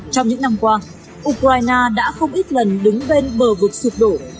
trong những năm qua ukraine đã không ít lần đứng bên bờ vực sụp đổ